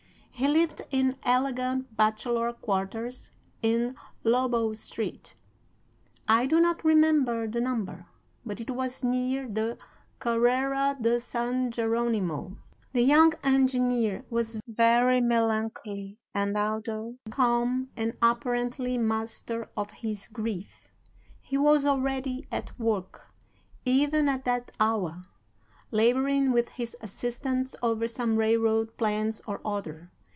He lived in elegant batchelor quarters in Lobo Street I do not remember the number, but it was near the Carrera de San Jeronimo. "The young engineer was very melancholy, although calm and apparently master of his grief. He was already at work, even at that hour, laboring with his assistants over some railroad plans or other.